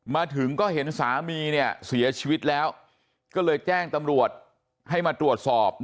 มาถึงก็เห็นสามีเนี่ยเสียชีวิตแล้วก็เลยแจ้งตำรวจให้มาตรวจสอบ